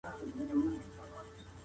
ښه انسان رښتيا وايي